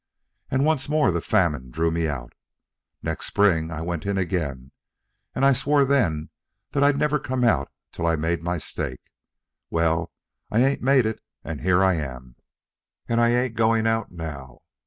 And once more the famine drew me out. Next spring I went in again, and I swore then that I'd never come out till I made my stake. Well, I ain't made it, and here I am. And I ain't going out now.